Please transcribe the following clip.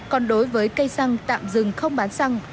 còn đối với cây xăng tạm dừng không bán xăng